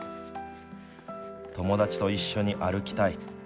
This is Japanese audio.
友達と一緒に歩きたい。